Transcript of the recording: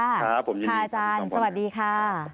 ค่ะผมยินดีขอบคุณค่ะสวัสดีค่ะ